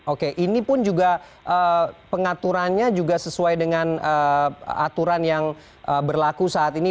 oke ini pun juga pengaturannya juga sesuai dengan aturan yang berlaku saat ini